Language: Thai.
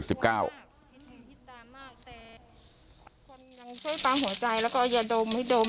ช่วยป้าหัวใจอย่าดมไว้ดม